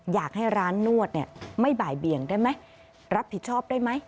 อยากให้ร้านนวดเนี่ยไม่บ่ายเบียงได้ไหมรับผิดชอบได้ไหม